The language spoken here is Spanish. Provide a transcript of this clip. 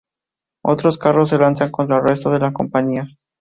Otros carros se lanzan contra el resto de la compañía.